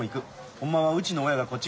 ホンマはうちの親がこっち